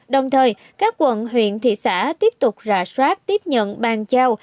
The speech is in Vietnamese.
đồng thời các quận huyện thị xã tiếp tục rà soát tiếp nhận bàn giao